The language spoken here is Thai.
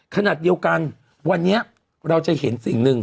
ขณะเดียวกันวันนี้เราจะเห็นสิ่งหนึ่ง